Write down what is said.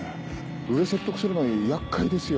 上説得するのやっかいですよ。